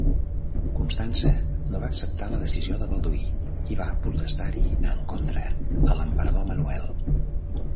Constança no va acceptar la decisió de Balduí i va protestar-hi en contra a l'emperador Manuel.